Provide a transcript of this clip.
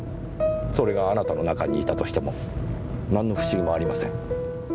それがあなたの中にいたとしても何の不思議もありません。